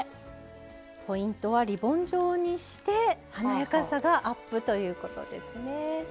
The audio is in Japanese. ポイントはリボン状にして華やかさがアップということですね。